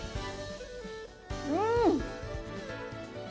うん！